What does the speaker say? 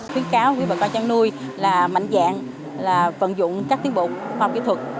khuyến kháo với bà con trăn nuôi là mạnh dạng là phận dụng các tiến bục